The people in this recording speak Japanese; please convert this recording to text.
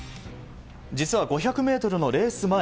実は５００ｍのレース